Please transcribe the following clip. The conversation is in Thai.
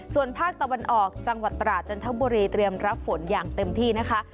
ส่วนภาคตะวันออกจังหวัดตราจันทบุรีเตรียมรับฝนอย่างเต็มที่นะคะ